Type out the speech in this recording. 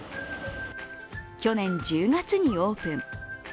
去年１０月にオープン。